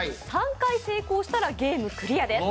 ３回成功したらゲームクリアです。